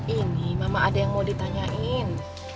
ini mama ada yang mau ditanyain